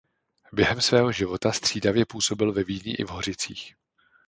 Během svého života střídavě působil ve Vídni i v Hořicích.